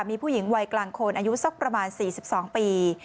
มีผู้หญิงวัยกลางคนอายุสักประมาณ๔๒ปี